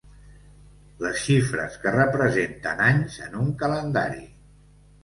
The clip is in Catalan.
Les xifres que representen anys en un calendari.